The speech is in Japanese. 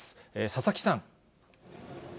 佐々木さん。